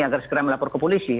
agar segera melapor ke polisi